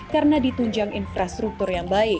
karena ditunjang infrastruktur yang lebih baik